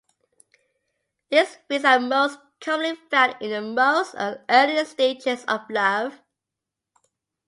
These feelings are most commonly found in the most early stages of love.